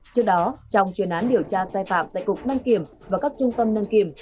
trước đó trong truyền án điều tra sai phạm tại cục năng kiểm và các trung tâm năng kiểm